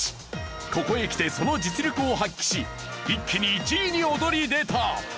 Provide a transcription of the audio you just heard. ここへ来てその実力を発揮し一気に１位に躍り出た！